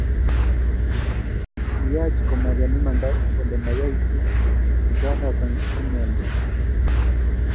Kiyach komaken imanda kolee mayaitu chichoton kimyani